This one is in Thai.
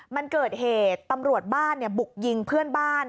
มันเกิดเหตุตำรวจบ้านบุกยิงเพื่อนบ้าน